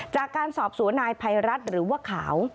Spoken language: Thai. จากการสอบสวนนายภัยรัฐหรือว่าขาว